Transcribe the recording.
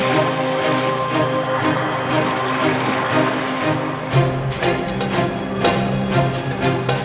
dia menemukan suatu tempat yang menarik